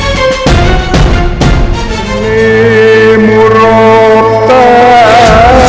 tidak perlu kalian bersusah payah